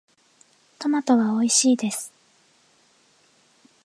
トマトはおいしいです。